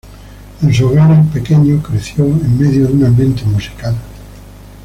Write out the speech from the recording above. En su hogar, el pequeño creció en medio de un ambiente musical.